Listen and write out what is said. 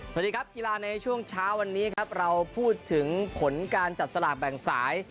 สวัสดีครับกีฬาในช่วงเช้าวันนี้ครับเราพูดถึงผลการจับสลากแบ่งสาย